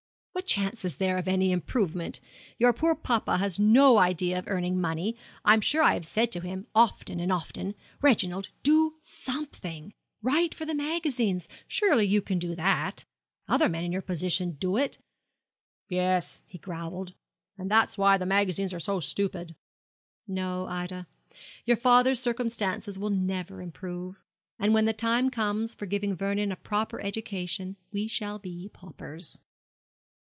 What chance is there of any improvement? Your poor papa has no idea of earning money. I'm sure I have said to him, often and often, "Reginald, do something. Write for the magazines! Surely you can do that? Other men in your position do it." "Yes," he growled, "and that's why the magazines are so stupid." No, Ida, your father's circumstances will never improve; and when the time comes for giving Vernon a proper education we shall be paupers.'